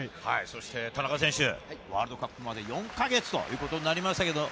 田中選手、ワールドカップまで４か月ということになりましたけれども。